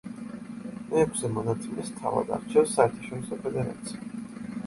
მეექვსე მონაწილეს თავად არჩევს საერთაშორისო ფედერაცია.